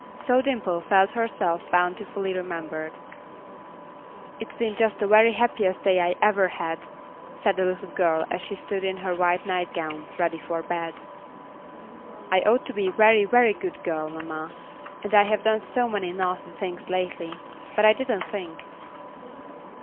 So Dimple felt herself bountifully remembered. "It's been just the very happiest day I ever had," said the little girl as she stood in her white night gown, ready for bed. "I ought to be a very, very good girl, mamma; and I have done so many naughty things lately, but I didn't think."